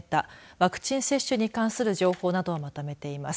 ワクチン接種に関する情報などをまとめています。